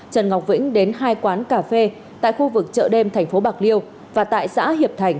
trần ngọc vĩnh đến hai quán cà phê tại khu vực chợ đêm thành phố bạc liêu và tại xã hiệp thành